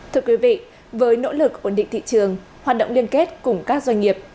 thưa quý vị với nỗ lực ổn định thị trường hoạt động liên kết cùng các doanh nghiệp